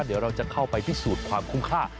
เดี๋ยวเราจะเข้าไปพิสูจน์ความคุ้มค่า